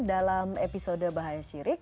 dalam episode bahaya sirik